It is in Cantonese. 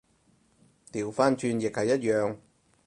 掉返轉亦係一樣